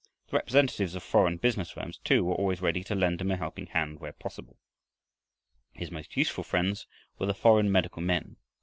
The representatives of foreign business firms, too, were always ready to lend him a helping hand where possible. His most useful friends were the foreign medical men.